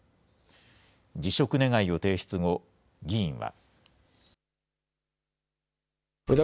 辞職願を提出後、議員は。